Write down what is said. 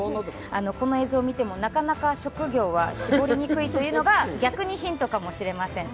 この映像を見てもなかなか職業は絞りにくいというのは逆にヒントかもしれません。